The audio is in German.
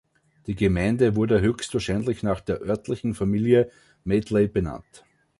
Die Gemeinde wurde höchstwahrscheinlich nach der örtlichen Familie Medley benannt.